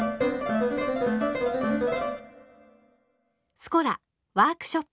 「スコラワークショップ」。